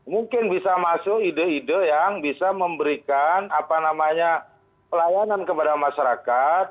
mungkin bisa masuk ide ide yang bisa memberikan pelayanan kepada masyarakat